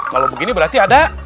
kalau begini berarti ada